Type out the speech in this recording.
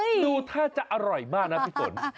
ดูก่อนจะมันอร่อยมากนะเนี่ย